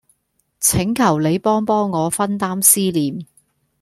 請求你幫幫我分擔思念